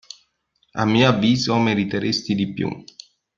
A mio avviso meriteresti di più.